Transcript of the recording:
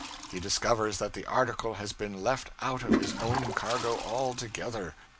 He discovers that the article has been left out of his own cargo altogether.